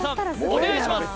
お願いします